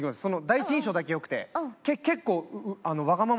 第一印象だけ良くて結構。